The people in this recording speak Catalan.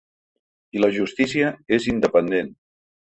I la justícia és independent.